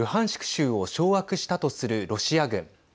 州を掌握したとするロシア軍。